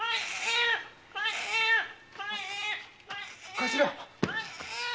・頭！